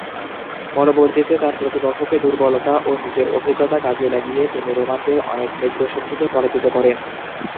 পরবর্তীতে তার প্রতিপক্ষের দূর্বলতা ও নিজের অভিজ্ঞতা কাজে লাগিয়ে তিনি রোমানদের অনেক মিত্র শক্তিকে পরাজিত করেন।